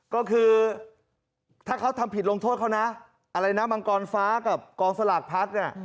ก็คือถ้าเขาทำผิดลงโทษเขานะอะไรนะมังกรฟ้ากับกองสลากพัดเนี่ย